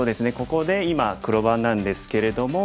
ここで今黒番なんですけれども。